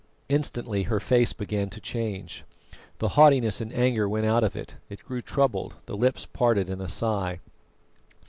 Instantly her face began to change. The haughtiness and anger went out of it, it grew troubled, the lips parted in a sigh.